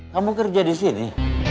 kamu kerja di sini